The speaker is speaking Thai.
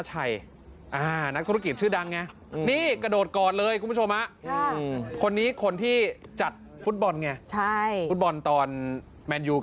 จากวันนี้ยุคปัดฟังไหนสู้